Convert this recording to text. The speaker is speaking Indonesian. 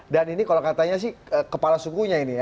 dan ini kalau katanya sih kepala sunggunya ini ya